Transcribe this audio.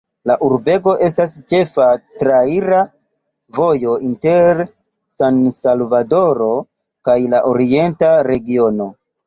La urbego estas ĉefa traira vojo inter San-Salvadoro kaj la orienta regiono.